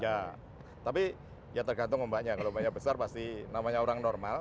ya tapi ya tergantung ombaknya kalau ombaknya besar pasti namanya orang normal